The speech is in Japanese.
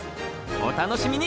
お楽しみに